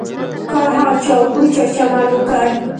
کار هغه چا وکړو، چا چي عمل وکړ.